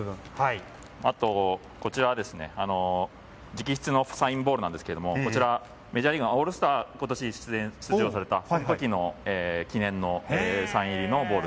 あと、こちらは直筆のサインボールなんですがこちらはメジャーリーグのオールスターに出場されたその時の記念のサイン入りのボール。